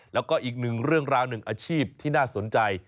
แล้วก็อีกหนึ่งเรื่องราวหนึ่งอาชีพที่น่าสนใจ